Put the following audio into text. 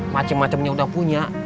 macem macemnya udah punya